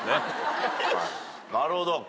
なるほど。